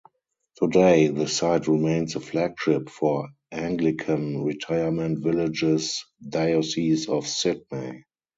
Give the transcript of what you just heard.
Today the site remains the flagship for Anglican Retirement Villages, Diocese of Sydney.